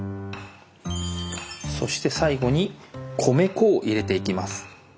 そして最後に米粉を入れていきます。